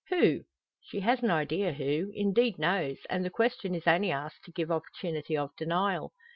"Who?" She has an idea who indeed knows; and the question is only asked to give opportunity of denial.